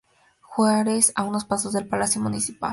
Juárez a unos pasos del Palacio Municipal.